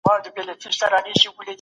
سياست د قدرت د پديدې په اړه څېړنه کوي.